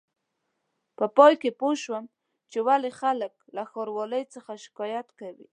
په پای کې پوه شوم چې ولې خلک له ښاروالۍ څخه شکایت کوي.